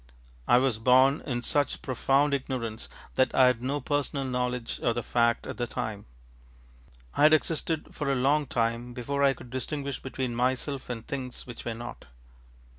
I was born in such profound ignorance that I had no personal knowledge of the fact at the time. I had existed for a long time before I could distinguish between myself and things which were not.